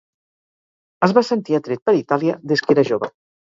Es va sentir atret per Itàlia des que era jove.